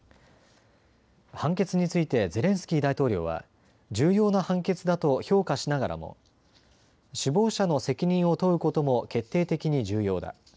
判決についてゼレンスキー大統領は重要な判決だと評価しながらも、首謀者の責任を問うことも決定的に重要だ。